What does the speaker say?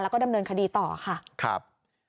แล้วก็ดำเนินคดีต่อค่ะครับ